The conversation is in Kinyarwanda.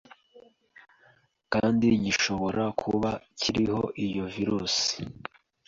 kandi gishobora kuba kiriho iyo virusi”.